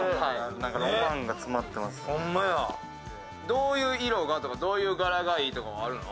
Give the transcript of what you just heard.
どういう色がとかどういう柄がいいとかあるの？